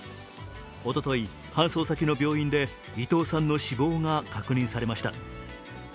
おととい、搬送先の病院で伊藤さんの死亡が確認されました。